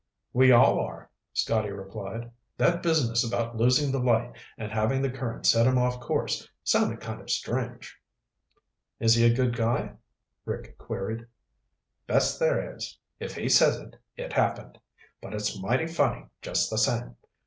"We all are," Scotty replied. "That business about losing the light and having the current set him off course sounded kind of strange." "Is he a good guy?" Rick queried. "Best there is. If he says it, it happened. But it's mighty funny just the same.